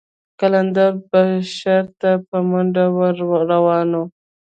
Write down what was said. قلندر به شر ته په منډه ور روان و.